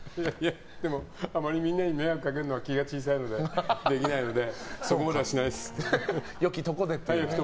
でもあまりみんなに迷惑をかけるのは気が小さいのでできないのでよきところで。